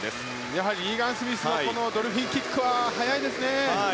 やはりリーガン・スミスのドルフィンキックは速いですね。